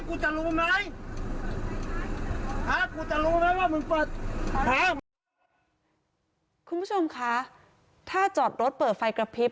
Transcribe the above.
กูจะรู้ไหมครับคุณผู้ชมค่ะถ้าจอดรถเปิดไฟกระพริบ